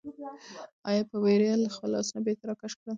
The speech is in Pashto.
انا په وېره خپل لاسونه بېرته راکش کړل.